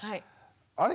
あれ？